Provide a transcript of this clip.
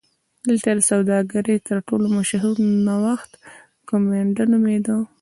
دلته د سوداګرۍ تر ټولو مشهور نوښت کومېنډا نومېده